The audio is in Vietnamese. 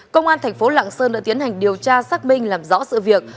công an thành phố lạng sơn đã tiến hành điều tra xác minh làm rõ sự việc